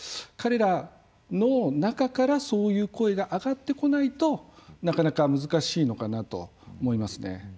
彼らの中からそういう声が上がってこないとなかなか難しいのかなと思いますね。